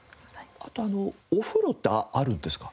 あとお風呂ってあるんですか？